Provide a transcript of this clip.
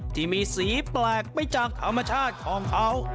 ที่มีสีแปลกไปจากธรรมชาติของเขา